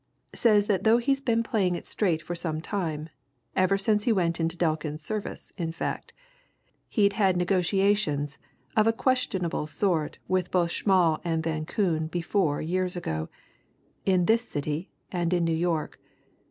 says that though he's been playing it straight for some time, ever since he went into Delkin's service, in fact he'd had negotiations of a questionable sort with both Schmall and Van Koon before years ago, in this city and in New York.